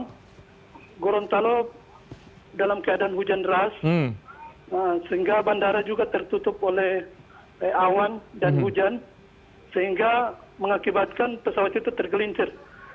pesawat yang tergelincir ini terjadi karena gorontalo dalam keadaan hujan ras sehingga bandara juga tertutup oleh awan dan hujan sehingga mengakibatkan pesawat itu tergelincir